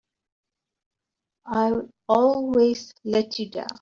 I'll always let you down!